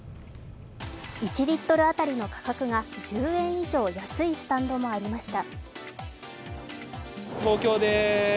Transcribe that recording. １リットル当たりの価格が１０円以上、安いスタンドもありました。